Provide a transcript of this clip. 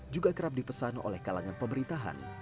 juga kerap dipesan oleh kalangan pemerintahan